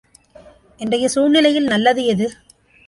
இன்றைய சூழ்நிலையில் நல்லது எது?